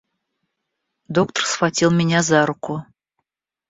— Доктор схватил меня за руку.